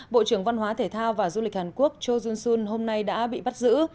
bộ trưởng văn hóa thể thao và du lịch hàn quốc cho jun sun hôm nay đã bị bắt giữ